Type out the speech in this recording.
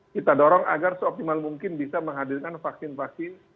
kita dorong agar seoptimal mungkin bisa menghadirkan vaksin vaksin